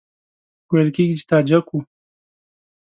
ویل کېږي چې تاجک وو.